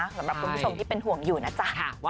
สำหรับคุณผู้ชมที่เป็นห่วงอยู่นะจ๊ะ